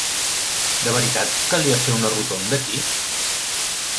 De veritat calia fer una rotonda aquí?